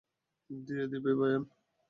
দিয়ে দিবে বয়ান।